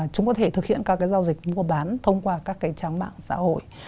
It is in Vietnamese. chúng có thể thực hiện các cái giao dịch mua bán thông qua các cái trang mạng xã hội